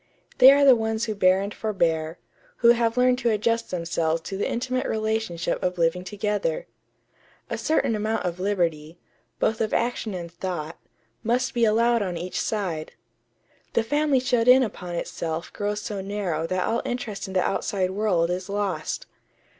They are the ones who bear and forbear; who have learned to adjust themselves to the intimate relationship of living together.... A certain amount of liberty, both of action and thought, must be allowed on each side.... The family shut in upon itself grows so narrow that all interest in the outside world is lost....